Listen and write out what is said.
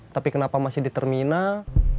tapi kenapa masih di terminal